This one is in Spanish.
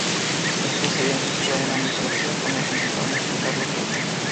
Estos habían creado una mitología con la que intentaban explicarlo todo.